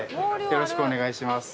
よろしくお願いします。